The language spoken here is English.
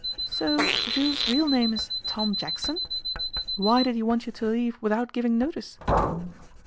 'So Jules's real name is Tom Jackson? Why did he want you to leave without giving notice?